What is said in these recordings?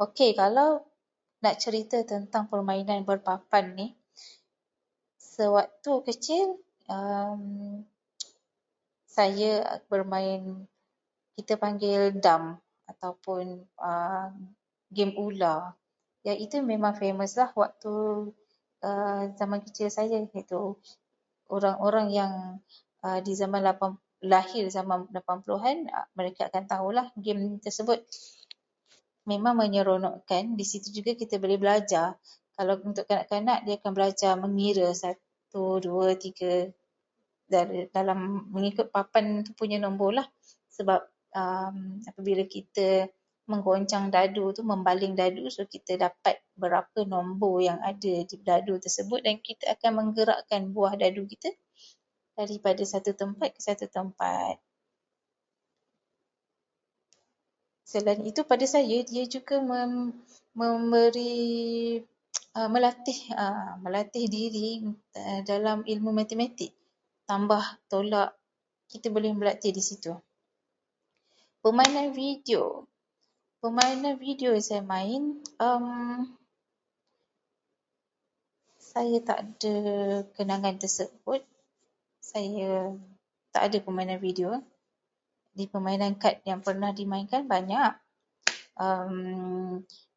Okey, kalau nak cerita tentang permainan berpapan ini, sewaktu kecil, saya bermain- kita panggil dam ataupun game ular. Yang itu memang famous waktu zaman kecil saya. Orang-orang yang lahir zaman 80-an, mereka akan tahu game tersebut. Memang menyeronokkan, di situ kita boleh belajar. Untuk kanak-kanak, mereka belajar mengira. Satu, dua, tiga, mengikut papan punya nombor. Sebab apabila kita menggoncang dadu- membaling dadu, so kita dapat berapa nombor yang ada di dadu tersebut dan kita akan menggerakkan buah dadu kita dari satu tempat ke satu tempat. Selain itu, pada saya ia juga mem- memberi- melatih diri dalam ilmu matematik. Tambah tolak, kita boleh berlatih di situ. Permainan video, permainan video yang saya main. Saya tak ada kenangan tersebut. Saya tak ada permainan video. Permainan kad yang pernah dimainkan, banyak.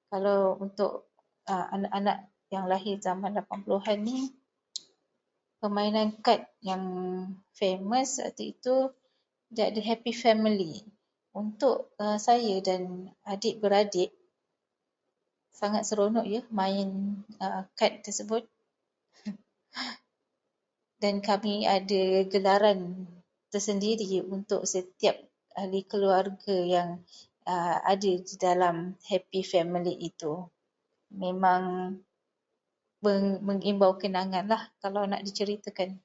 Kalau untuk anak-anak yang lahir zaman 80-an, permainan kad yang famous waktu itu, ialah Happy Family. Untuk adik-beradik saya, sangat seronok main kad tersebut. Kami ada gelaran tersendiri untuk setiap ahli keluarga yang ada di dalam Happy Family itu. Memang mengimbau kenanganlah kalau nak diceritakan.